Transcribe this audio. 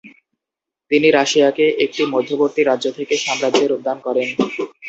তিনি রাশিয়াকে একটি মধ্যবর্তী রাজ্য থেকে সাম্রাজ্যে রূপদান করেন।